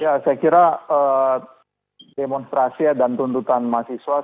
ya saya kira demonstrasi dan tuntutan mahasiswa